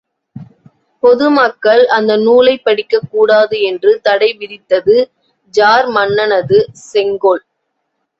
பொது மக்கள் அந்த நூலைப் படிக்கக் கூடாது என்று தடை விதித்தது ஜார் மன்னனது செங்கோல்!